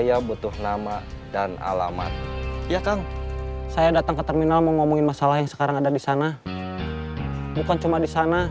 apa yang terjadi